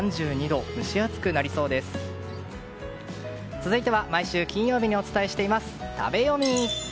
続いては毎週金曜日にお伝えしている食べヨミ。